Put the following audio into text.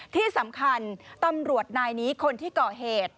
ที่สำคัญตำรวจนายนี้คนที่ก่อเหตุ